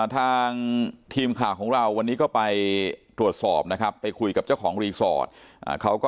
ทางทีมข่าวของเราวันนี้ก็ไปตรวจสอบนะครับ